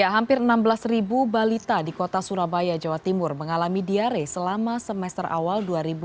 hampir enam belas balita di kota surabaya jawa timur mengalami diare selama semester awal dua ribu dua puluh